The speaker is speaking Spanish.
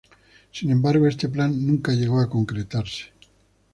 Sin embargo, este plan nunca llegó a concretarse.